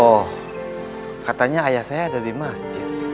oh katanya ayah saya ada di masjid